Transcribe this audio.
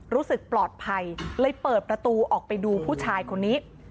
รู้สึกปลอดภัยเลยเปิดประตูออกไปดูผู้ชายคนนี้